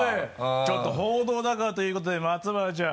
ちょっと報道だからということで松原ちゃん。